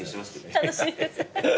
楽しいです。